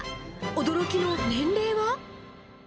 驚きの年齢は。